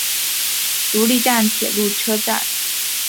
足利站铁路车站。